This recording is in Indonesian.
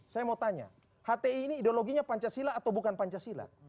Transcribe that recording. saya mau tanya hti ini ideologinya pancasila atau bukan pancasila